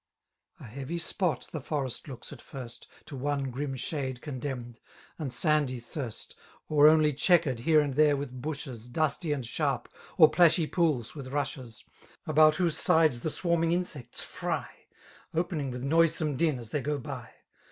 A heavy spot the forest looks at first. To one grim shade condemned, and sandy thirst. d5 •••• Or only chequered^ here and fbere> witli bushes Dusty and sharp^ or plashy poob with rushes, About whoee sides the swarming Insects fry. Opening with noisome din, as they go by.